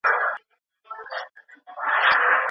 که تر لاس لاندي کسانو ته د هغوی حقوق ورکړل سي.